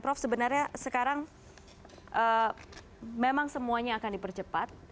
prof sebenarnya sekarang memang semuanya akan dipercepat